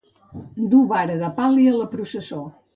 Dur vara de pal·li a la processó.